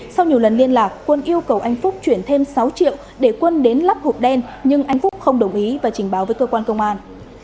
sau nhiều lần liên lạc quân yêu cầu anh phúc chuyển thêm sáu triệu để quân đến lắp hộp đen nhưng anh phúc không đồng ý và trình báo với cơ quan công an